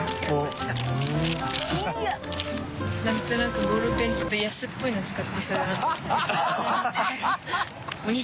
何となくボールペンちょっとハハハ